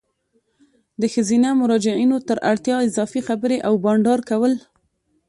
د ښځینه مراجعینو تر اړتیا اضافي خبري او بانډار کول